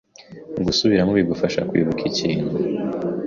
Gusubiramo bigufasha kwibuka ikintu.